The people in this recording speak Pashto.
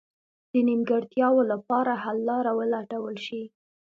د نیمګړتیاوو لپاره حل لاره ولټول شي.